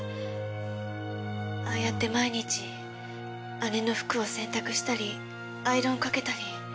ああやって毎日姉の服を洗濯したりアイロンかけたり。